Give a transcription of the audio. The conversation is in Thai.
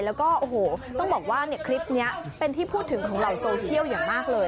แล้วก็โอ้โหต้องบอกว่าคลิปนี้เป็นที่พูดถึงของเหล่าโซเชียลอย่างมากเลย